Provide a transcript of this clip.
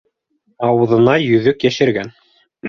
Ауыҙына йөҙөк йәшергән.